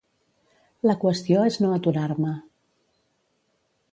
La qüestió és no aturar-me.